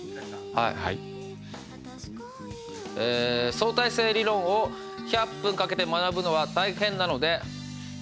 「相対性理論を１００分かけて学ぶのは大変なので」。